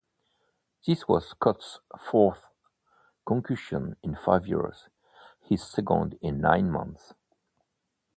This was Scott's fourth concussion in five years, his second in nine months.